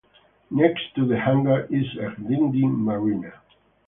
Next to the hangar is a dinghy marina.